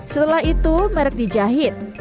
setelah itu merek dijahit